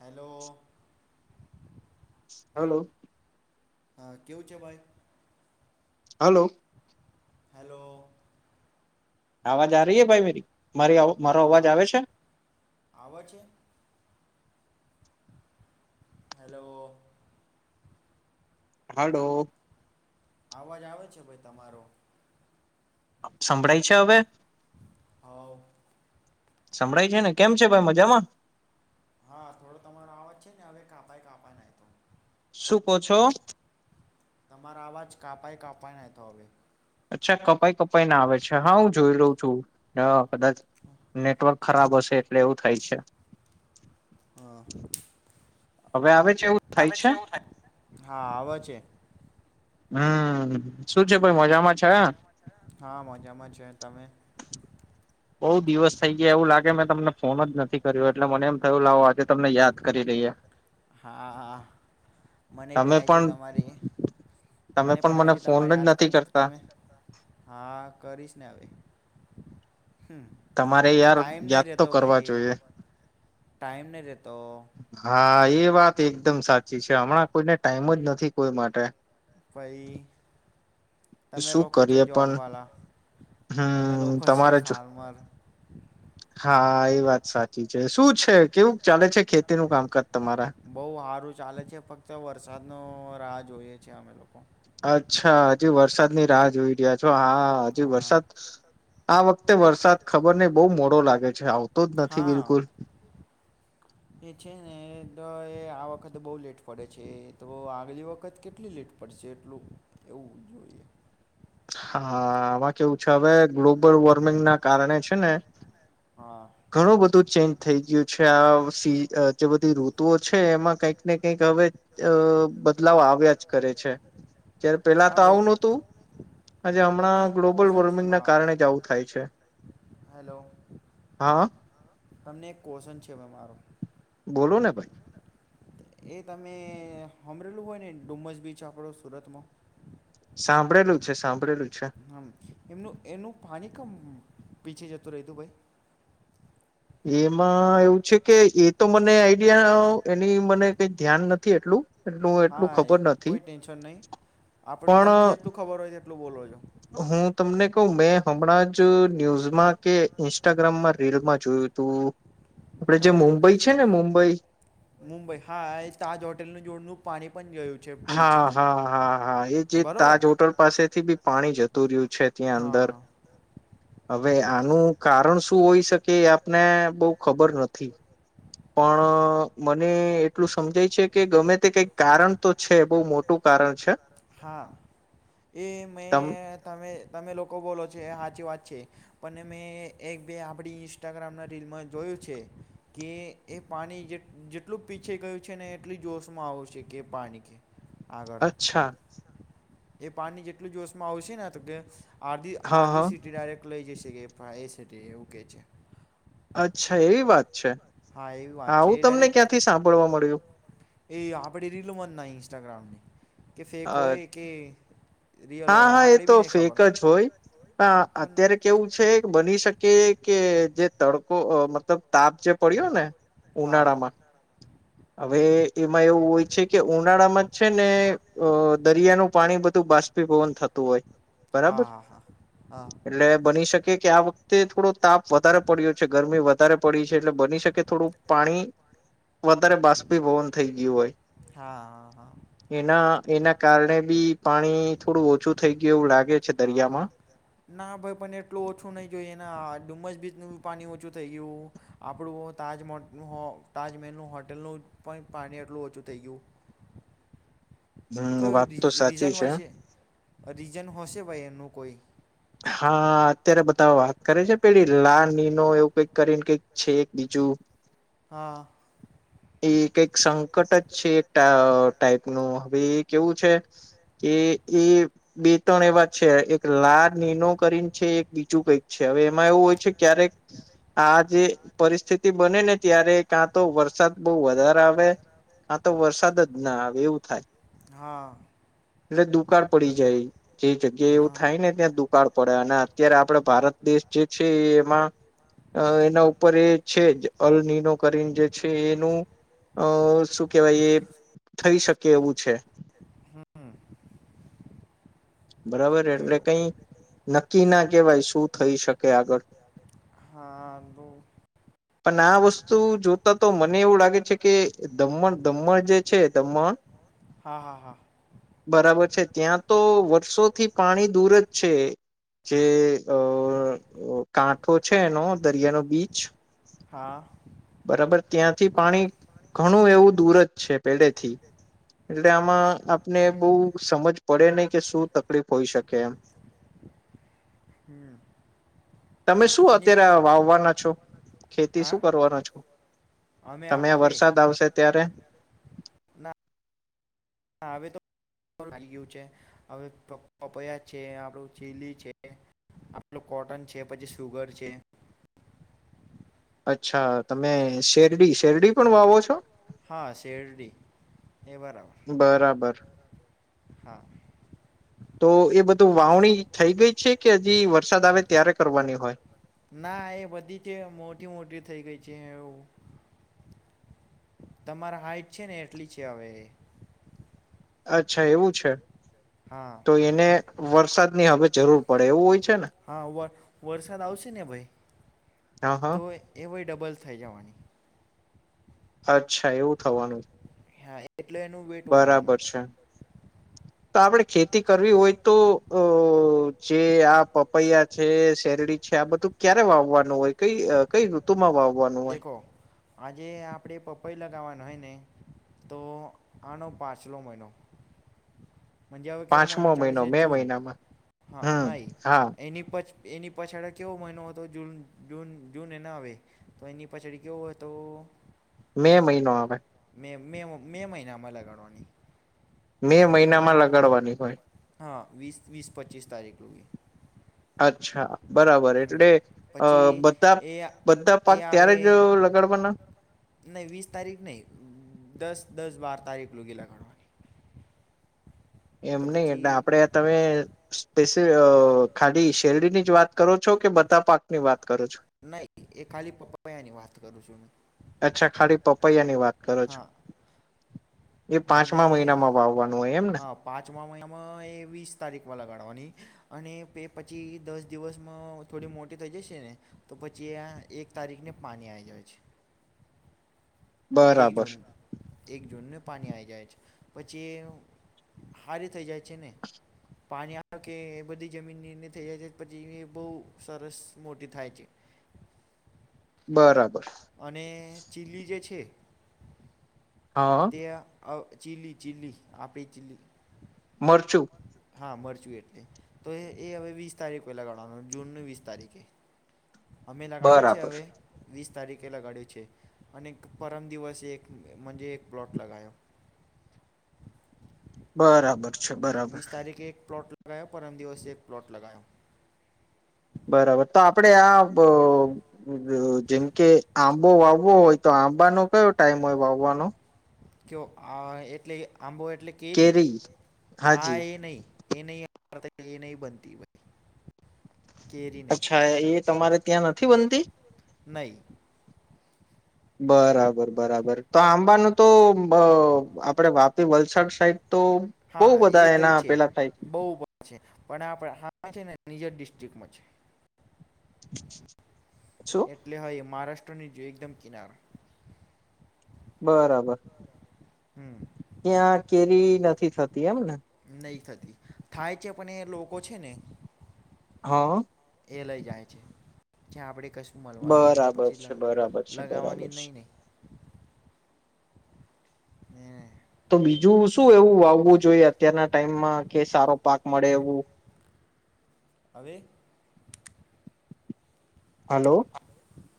Hello હાલો હા કેવું છે ભાઈ હાલો હલો આવાજ આ રહી ભાઈ મેરી મારી આવો મારો અવાજ આવે છે. હેલો હાલો અવાજ આવે છે ભાઈ તમારો સંભળાય છે હવે ઓવ સંભળાય છે ને કેમ છે ભાઈ મજામાં હા થોડો તમારો અવાજ છે ને હવે કાપાય [unintelligible] શું કો છો તમારા અવાજ કાપાય કાપાય ના તો હવે. અચ્છા કપાઈ કપાઈ ના આવે છે હા હું જોઈ લવ છું હ કદાચ નેટવર્ક ખરાબ હશે એટલે એવું થાય છે. હા. આવેવ થ હા આવે છે. હમ શું છે ભાય મજામાં છે હા મજામાં છે તમે બઉ દિવસ થઈ ગયા એવું લાગે મેં તમને ફોન જ નથી કર્યો એટલે મને એમ થયું લાવો આજે તમને યાદ કરી લઈએ. હા હા મને બી હાઈ છે તમારી મને પણ આ તમારી યાદ પણ તમે હા કરીશ ને હવે. તમારે યાર યાદ તો કરવા જોઈએ. ટાઈમ નય રે હા એ વાત એકદમ સાચી છે હમણાં કોઈને ટાઈમ જ નથી કોઈ માટે. ભાઈ તમે લોકો છે જોબ વાલા અમે લોકો છે ફાર્મર હા એ વાત સાચી છે શું છે. કેવું ચાલે છે ખેતીનું કામકાજ તમારા વરસાદનો રાહ જોઈએ છેએ અમે લોકો અચ્છા હજી વરસાદ ની રાહ જોઈ રહ્યા છો હા હજી વરસાદ આ વખતે વરસાદ ખબર નઈ બો મોડો લાગે છે આવતો જ નથી બિલકુલ એ છે ને તો એ આ વખતે બઉ લેટ પડે છે તો આગલી વખત કેટલી લેટ પડશે એટલું એવું જોઈએ. [inaudible] હા આમાં કેવું છે હવે ગ્લોબલ વોર્મિંગ ના કારણે છે ને ઘણું બધું ચેન્જ થઈ ગયું છે આ શી અહ કે બધી ઋતુઓ છે એમાં કઈક ને કઈક હવે અહ બદલાવ આવ્યા જ કરે છે. ત્યારે પેલા તો આવું નતું આજે હમણાં ગ્લોબલ વોર્મિંગના કારણે જ આવું થાય છે. હેલો, તમને એક ક્વછન છે ભાઈ મારો? બોલો ને ભાઈ. એ તમે હામરેલું હોય ને ડુમચ બીચ આપણો સુરતમાં? સાંભળેલું છે, સાંભળેલું છે. કમ પીછે જતો રહીતું ભઈ? એમાં એવું છે કે એ તો મને આઈડિયા અહ એની મને કઈ ધ્યાન નથી એટલું હા એ કોઈ ટેન્શન નહી, આપડ તમને જેટલું ખબર હોય તે હું તમને કહું મે હમણાં જ ન્યુઝમાં કે ઇન્સ્ટાગ્રામમાં રીલમાં જોયું તું હા, મુંબઈ હા એ તાજ હોટેલ નું જોડનું પાણી હા, હા, હા, હા. એ જે તાજ હોટલ પાસેથી બી પાણી જતું રહ્યું છે ત્યાં અંદર હા. હવે આનું કારણ શું હોઈ શકે એ આપને બહુ ખબર નથી. પણ મને એટલું સમજાય છે કે ગમે તે કઈક તો છે બહુ મોટું કારણ છે. તમ તમે લોકો બોલો છો, હે સાચી વાત છે. પણ મેં એક બે આપણી ઇન્સ્ટાગ્રામના રીલમાં જો યું છે કે એ પાણી જે જેટલું પીછે ગયું છે ને એટલી જોશમાં આવ શે કે પાણી કે આગળ. એ પાણીની જેટલું જોશમાં આવશે ને તો કે આધી આધી સીટી ડાયરેક્ટ લઇ જશે કે ફા એ સિટી એવું કેહ છે. અચ્છા એવી વાત છે, આવું તમને ક્યાંથી સાંભળવા મળ્યું? એ આપણે રીલો માંનાની ઇન્સ્ટાગ્રામની કે ફેક હોય કે હા હા એ તો ફેક જ હોય પણ અત્યારે કેવું છે બની શક કે કે જે તડકો અહ મતલબ તાપ જે પડ્યો ને ઉનાળામાં હવે એમાં એવું હોય છે કે ઉનાળામાં છે ને અહ દરિયાનું પાણી બધું બાષ તીભવન થતું હોય, બરાબર. એટલે બની શકે કે આ વખતે થોડો તાપ વધારે પડ્યો છે ગરમી વધારે પડી છે એટલે બન ની શકે થોડું પાણી વધારે બાષ્પીભવન થઈ ગયું હોય. એના એના કારણે બી પાણી થોડું ઓછું થઈ ગયું હા. ના ભાઈ પણ એટલું ઓછું નહી જોઈએના. આ ડુમજ બીચનું ભી પાણી ઓછું થઈ ગયું. આપણું હો તાજમોટ હો તાજમહેલનું હો ટલનું પણ પાણી એટલું ઓછું થઈ ગયું. એ કોઈ રી-રીઝનશ હોશે રીઝન હશે ભાઈ એનું કઈ. હા, અત્યારે બધા વાત કરે છે પેલી લા ની નો એવું કઈક કરીને કઈક છે એક બીજ જું. હા. એ કઈક સંકટ જ છે ટા આહ ટાઈપ નું હવે એ કેવું છે કે એ બે ત્રણ એવા છે એ એક લા આ નિનો કરીને છે બીજું કઈક છે હવે એમાં એવું હોય છે ક્યારેક આ જે પરિ સ્થિતિ બને ને ત્યારે કાં તો વરસાદ બહુ વધારે આવે આ તો વરસાદ જ ના આવે એવું થાય. હા. એટલે દુકાળ પડી જાય જે જગ્યા એવું થાય ને ત્યાં દુ કાળ પડે અને અત્યારે આપડે ભારત દેશ જે છે એમાં અહ એના ઉપર એ છે જ અલ નિનો કરીને જે છે એનું અ શું કેહેવાય એ થઈ શકે એવું છે હમ [inaudible] બરાબર એટલે કઈ નક્કી ના કેહેવાય શું થઈ શકે આગળ હા બું પણ આ વસ્તુ જોતા તો મને એવું લાગે છે કે દમણ દમણ જે છે દમણ હા હા હા ત્યાં તો વર્ષોથી પાણી દૂર જ છે જે અ કા તો છે એનો દરિયાનો બીચ બરાબર ત્યાંથી પાણી ઘણું એવું દૂર જ છે પેડેથી એટલે આમાં આપને બહું સમજ પડે નહ કે શું તકલીફ હોઈ શકે એમ હમ [inaudible] તમે શું અત્યારે વાવવાના છો ખેતી શું કરવાના છો તમે વરસાદ આવશે ત્યારે હા હવે તો લાગ ગયું છે હવે પપયા છે આપણું ચીલી છે [inaudible] આપલું કોટન છે પછી સુગર છે અચ્છા તમે શેરડી શેરડી પણ વાવો છો એ બરાબર હા તો એ બધું વાવણી થઈ ગઈ છે કે હજી વરસાદ આવે ત્યારે કરવાની હોય ના એ બધી છે મોટી મોટી થઈ ગઈ છે એવું તમારા હાઈટ છે ને એટલી છે હવે અચ્છા એવું છે તો એને વરસાદની હવે જરૂર પડે એવું હોય છે ને હા વ વરસાદ આવશે ને ભાઈ તો એ ભય ડબલ થઈ જવાની અચ્છા એવું થવાનું હા એટલે એનું વેટ વધવાનું તો આપડે ખેતી કરવી હોય તો અ જે આ પપૈયા છે શેરડી છે આ બધું ક્યારે વાવવાનું હોય ક‌ઈ કઈ ઋતુમાં વાવ દેખો આજે આપડે પપૈ લા હોયને તો આનો પાછલો મહિનો [inaudible] જ હવે કેવાો મહિનો ચાલે છે જૂન હા નાઈ એની પછ એની પછાળ કેવો મહિનો હતો જૂન જૂન જૂન એને આવે તો એની પછડી કેવું હોય તો મે મહિનો આવે મે મે મહિનામાં લગાડવાની મે મહિનામાં લગાડવાની હોય વીસ વીસ પચીસ તારીખ રઈ અચ્છા બરાબર એટલે અ બધા બધા પાક ત્યારે જ લગડવા ના નહી વીસ તારીખ નહી દસ દસ બાર તારીખ લુંગીલા ઘડવા એમ નહ એટલે આપડે તમે ખાલી શેરડી ની જ વાત કરો છો કે બધા પાક ની વાત કરો છો નહી એ ખાલી પપ્પયા ની વાત કરું છું અચ્છા ખાલી પપૈયા ની વાત કરો છો એ પાંચમા મહિનામાં વાવવાનું હા પાંચમા મહિનામાં એ વીસ તારીખ માં લગાડવાની અને પે પછી દસ દિવસમાં થોડી મોટી થઈ જશે ને તો પછી આ એક તારીખને પાણી આઈ જાય છે. [inaudible] એક જૂન એક જૂનને પાણી આઈ જાય છે. પછી હારી થઈ જાય છે ને પાણી આવે કે એ બધી જમીનની ને થઈ જાય છે પછી એ બહુ સરસ મોટી થાય છે. બરાબર. અને ચીલી જે છે તે અહ ચીલી-ચીલી આપણી ચીલી મરચું હા મરચું એટલે, તો એ એ હવે વીસ તારીખ પેલા ગણવાનું જૂનની વીસ તારીખે. અમે લગાડ્યું છે, હવે વીસ તારીખ ખે લગાડ્યો છે, અનેક પરમ દિવસ એક મંજે એક પ્લોટ લગાયો. બરાબર. વીસ તારીખે એક પ્લોટ લગાયો, પરમ દિવસે એક પ્લોટ લગાયો. બરાબર. તો આપડે આ અહ અહ જેમ કે આંબો વાવવો હોય તો આંબાનો કયો ટાઈમ હોય વાવવાનો? કેઓ આ એટલે આંબો એટલે કેરી? હા એ નહી એ નહી [unintelligible] એ નહિં બનતી હોય. અચ્છા, એ તમારે ત્યાં નથી બનતી? નહી. બરાબર-બરાબર, તો આંબાનું અહ તો આપડે વાપી વલસાડ સાઈડ હા એ તય છે બહુ પણ છે પણ આપ હા માં છે ને નિજર ડિસ્ટ્રિક્ટમાં છે. એટલે હવે મહારાષ્ટ્ર ની જે એકદમ કિનાર બરાબર. ત્યાં કેરી નથી થતી એમ ને? થાય છે પણ એ લોકો છે ને એ લઈ જાય છે. જ્યા આપણે કશું મલવાની નહી તો પછી લ લગાવવાની જ નહીં-નહી. હે તો બીજું શું એવું વાવવું જોઈએ અત્યારના ટાઈમમાં કે સારો પાક મળે એવું? [unintelligible] હવે હલો.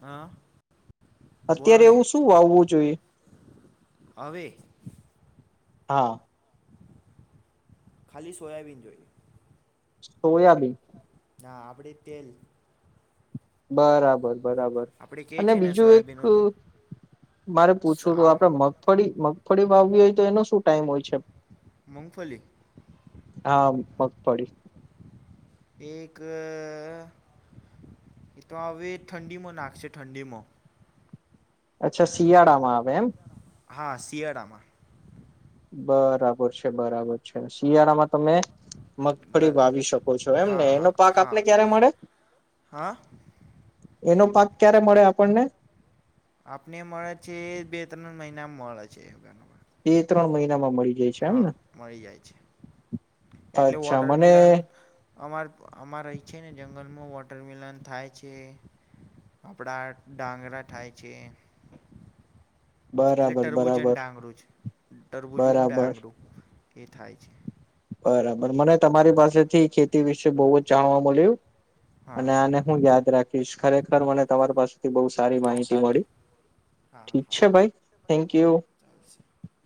હા? અત્યારે એવું શું વાવવું જોઈએ? હા. ખાલી સોયાબીન જોઈએ. સોયાબીન ના આપડી તેલ બરાબર-બરાબર અને બીજું એક મારે પૂછવ હતું આપડે મગફળી-મગફળી વાવવી હોય, તો એનો શું ટાઈમ હોય છે? મુંગફલી? મગફડી એક અહ એ તો હવે ઠંડીમાં નાખશે ઠંડીમાં. અચ્છા શિયાળામાં આવે એમ? હા શિયાળામાં. બરાબર છે-બરાબર છે. શિયાળામાં તમે મગફળી વાવી શકો છો એમ ને, એનો પાક આપને ક્યારે મળે? [unintelligible] એનો પાક ક્યારે મળે આપણને. આપને મળે છે, બે ત્રણ મહિના મળે છે. એ ત્રણ મહિના માં મળી. હા મળી જાય છે. એટલે વોટર મિલન અમાર અમાર છે, ને. [unintelligible] વોટર મિલન થાય છે. આપડા ડાંગરા થાય છે. એટલે [unintelligible] ડાંગરું છે, તરબુજ ડાંગરું. એ થાય છે. બરાબર મને તમારી પાસેથી ખેતી વિશે બહુ જ જાણવા મળ્યું. અને આને હું યાદ રાખીશ ખરેખર મને તમારી પાસે. બહ સારી માહિતી મળી. Thank you. [inaudible]